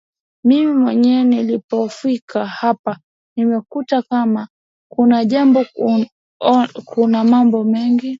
mimi mwenyewe nilipofika hapa nimekuta kama kuna jambo kuna mambo mengi